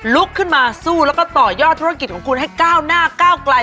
ลุกขึ้นมาสู้แล้วก็ต่อยอดธุรกิจของคุณให้ก้าวหน้าก้าวไกล